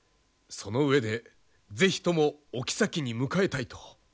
その上で是非ともお妃に迎えたいと。